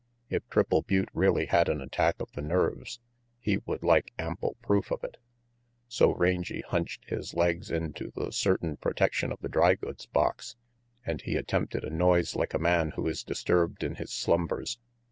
If Triple Butte really had an attack of the nerves, he would like ample proof of it. So Rangy hunched his legs into the certain pro tection of the dry goods box and he attempted a noise like a man who is disturbed in his slumbers.